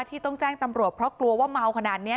ที่ต้องแจ้งตำรวจเพราะกลัวว่าเมาขนาดนี้